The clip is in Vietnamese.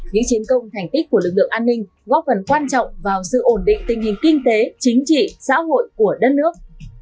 những chiến công thành tích của lực lượng an ninh góp phần quan trọng vào sự ổn định tình hình kinh tế chính trị xã hội của đất nước